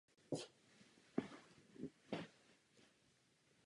Vyžaduje slunné stanoviště nebo polostín a propustné půdy.